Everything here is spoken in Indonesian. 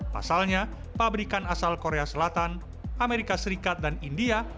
pasalnya pabrikan asal korea selatan amerika serikat dan india